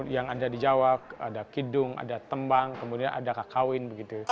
yang ada di jawa ada kidung ada tembang kemudian ada kakawin begitu